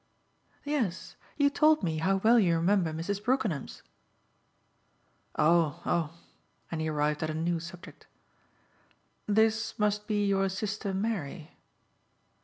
"Yes, you told me how well you remember Mrs. Brookenham's." "Oh, oh!" and he arrived at a new subject. "This must be your sister Mary."